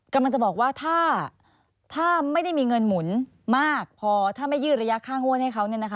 กำลังจะบอกว่าถ้าไม่ได้มีเงินหมุนมากพอถ้าไม่ยืดระยะค่างวดให้เขา